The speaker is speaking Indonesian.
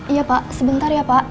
iya pak sebentar ya pak